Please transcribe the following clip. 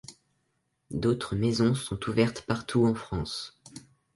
D'autres maisons sont ouvertes partout en France.